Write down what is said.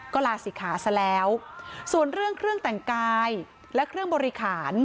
ก็ลาศิกขาซะแล้วส่วนเรื่องเครื่องแต่งกายและเครื่องบริหาร